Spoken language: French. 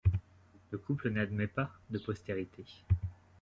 Le couple n’admet pas de postérité.